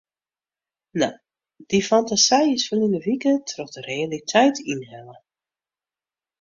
No, dy fantasy is ferline wike troch de realiteit ynhelle.